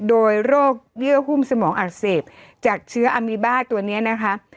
โดยโรคเยื่อหุ้มสมองอักเสบจากเชื้ออามีบ้าตัวนี้นะคะ